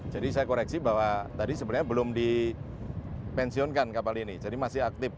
jadi saya koreksi bahwa tadi sebenarnya belum dipensionkan kapal ini jadi masih aktif